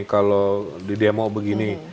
kalau di demo begini